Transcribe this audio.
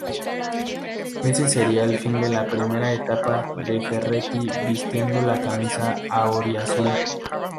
Ese sería el fin de la primera etapa de Ferretti vistiendo la camisa auriazul.